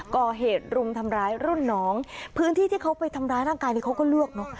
ก่อเหตุรุมทำร้ายรุ่นน้องพื้นที่ที่เขาไปทำร้ายร่างกายนี่เขาก็เลือกเนอะ